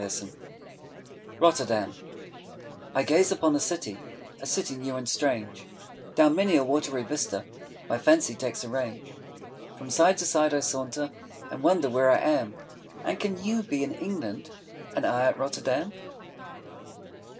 _ ROTTERDAM I gaze upon a city, A city new and strange; Down many a watery vista My fancy takes a range; From side to side I saunter, 5 And wonder where I am; And can you be in England, And I at Rotterdam!